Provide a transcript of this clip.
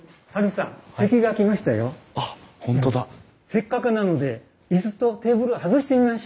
せっかくなので椅子とテーブル外してみましょう。